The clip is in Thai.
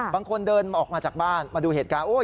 บางคนเดินออกมาจากบ้านมาดูเหตุการณ์